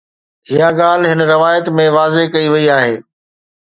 اها ڳالهه هن روايت ۾ واضح ڪئي وئي آهي